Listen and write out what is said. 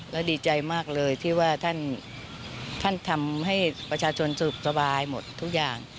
แล้วดีใจมากเลยที่ว่าท่านทำให้ประชาชนสุขสบายหมดทุกอย่าง